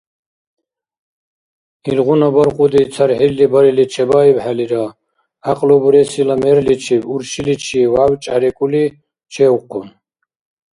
Илгъуна баркьуди цархӀилли барили чебаибхӀелира, гӀякьлу буресила мерличиб, уршиличи вяв-чӀярикӀули чевхъун.